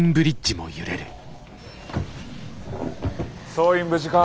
総員無事か？